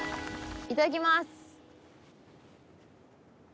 いただきます。